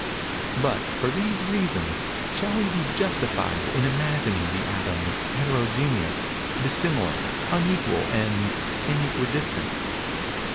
But, for these reasons, shall we be justified in imagining the atoms heterogeneous, dissimilar, unequal, and inequidistant?